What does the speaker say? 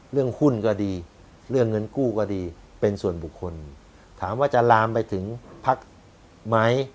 เรื่องหุ้นก็ดีเรื่องเงินกู้ก็ดีเป็นส่วนบุคคลถามว่าจะลามไปถึงพักไหม